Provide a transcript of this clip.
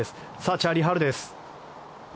チャーリー・ハルです。